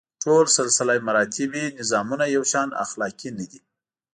ټول سلسله مراتبي نظامونه یو شان اخلاقي نه دي.